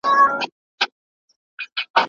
که ښځې مسؤلیت منونکې وي نو ګډوډي به نه وي.